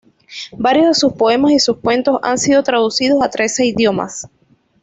Varios de sus poemas y sus cuentos han sido traducidos a trece idiomas.